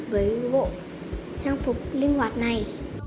với bộ trang phục linh hoạt này